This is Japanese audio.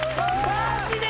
マジで！